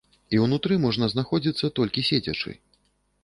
І ўнутры можна знаходзіцца толькі седзячы.